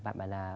và bạn bảo là